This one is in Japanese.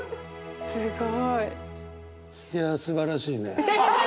すごい。いやすばらしいね。